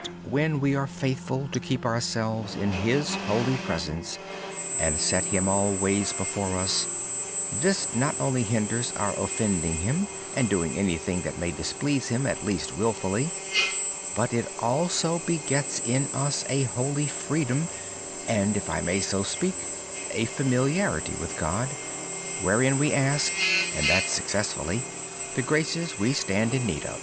When we are faithful to keep ourselves in His holy presence, and set Him always before us, this hinders our offending Him, and doing anything that may displease Him. It also begets in us a holy freedom, and, if I may so speak, a familiarity with God, where, when we ask, He supplies the graces we need.